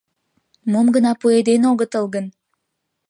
— Мом гына пуэден огытыл гын!